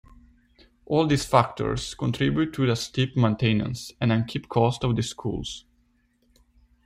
All these factors contributed to a steep maintenance and upkeep cost of the schools.